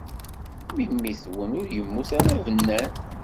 Memmi-twen ur yemmut ara bennan.